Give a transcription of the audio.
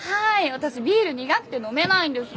私ビール苦くて飲めないんです。